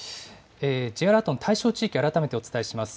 Ｊアラートの対象地域、改めてお伝えします。